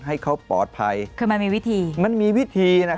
ให้เขาปลอดภัยคือมันมีวิธีมันมีวิธีนะคะ